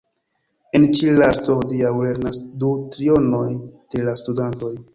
En ĉi-lasto hodiaŭ lernas du trionoj de la studantoj.